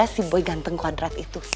gimana sih boy ganteng kwadrat itu